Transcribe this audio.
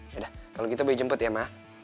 yaudah kalau gitu boy jemput ya ma